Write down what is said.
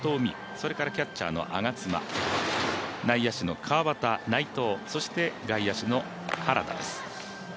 それからキャッチャーの我妻内野手・川畑、内藤そして、外野手の原田です。